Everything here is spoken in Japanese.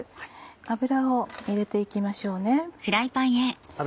油を入れていきましょう。